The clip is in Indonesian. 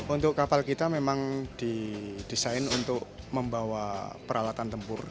untuk kapal kita memang didesain untuk membawa peralatan tempur